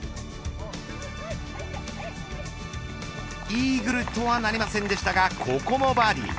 イーグルとはなりませんでしたがここもバーディー。